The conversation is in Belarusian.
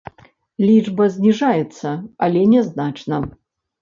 Лічба зніжаецца, але нязначна.